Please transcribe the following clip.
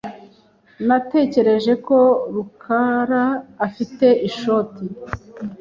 Natekereje ko rukaraafite ishoti.